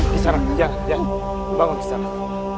kisah anak ya ya bangun kisah anak